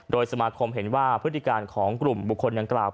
โดยสมาคมเห็นว่าพฤติการของกลุ่มบุคคลดังกล่าว